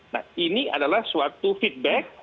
nah ini adalah suatu feedback